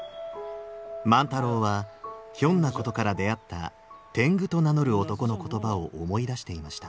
万太郎はひょんなことから出会った「天狗」と名乗る男の言葉を思い出していました。